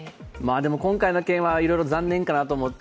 でも今回の件はいろいろ残念かなと思って。